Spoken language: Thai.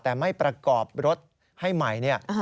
แต่ไม่ประกอบรถให้ใหม่เนี่ย